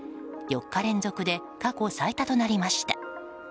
４日連続で過去最多となりました。